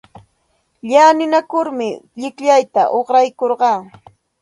Llalinakurmi llikllata uqraykurqaa.